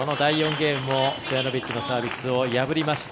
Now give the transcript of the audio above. ゲームもストヤノビッチのサービスを破りました。